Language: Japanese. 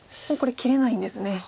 もうこれ切れないんですね。